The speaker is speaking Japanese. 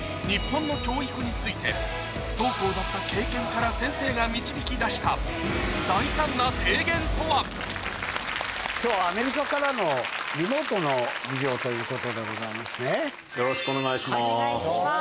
日本の教育について不登校だった経験から先生が導き出した今日はアメリカからのリモートの授業ということでございますね。